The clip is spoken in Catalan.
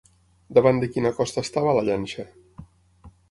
Davant de quina costa estava la llanxa?